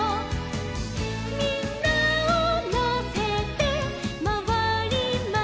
「みんなをのせてまわりました」